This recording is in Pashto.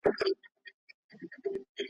د پرېکړو نه پلي کيدل د سياست کمزوري ده.